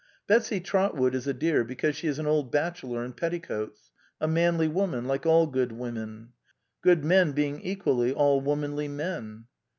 Betsy Trotwood is a dear because she is an old bache lor in petticoats: a manly woman, like all good women : good men being equally all womanly men.